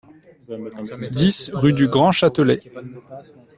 dix rue du Grand Châtelet